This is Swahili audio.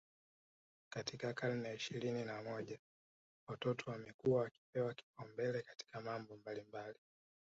katika karne ya ishirini na moja watoto wamekuwa wakipewa kipaumbele katika mambo mbalimbali